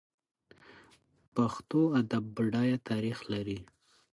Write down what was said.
پښتو ادب بډایه تاریخ لري.